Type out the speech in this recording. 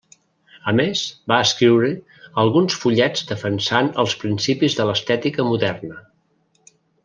A més, va escriure, alguns fullets defensant els principis de l'estètica moderna.